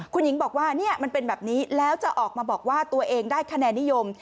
คุณหญิงบอกว่ามันเป็นแบบนี้แล้วจะออกมาบอกว่าตัวเองได้คะแนนนิยม